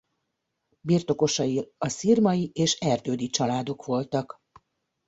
Birtokosai a Szirmay és Erdődy családok voltak.